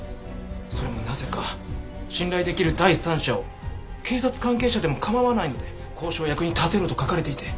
それもなぜか「信頼できる第三者を警察関係者でも構わないので交渉役に立てろ」と書かれていて。